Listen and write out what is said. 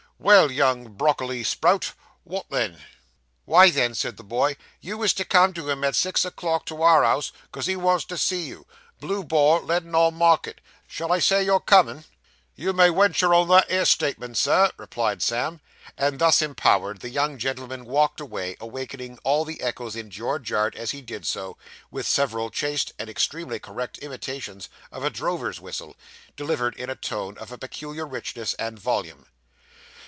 Well, young brockiley sprout, wot then?' 'Why then,' said the boy, 'you was to come to him at six o'clock to our 'ouse, 'cos he wants to see you Blue Boar, Leaden'all Markit. Shall I say you're comin'?' 'You may wenture on that 'ere statement, Sir,' replied Sam. And thus empowered, the young gentleman walked away, awakening all the echoes in George Yard as he did so, with several chaste and extremely correct imitations of a drover's whistle, delivered in a tone of peculiar richness and volume.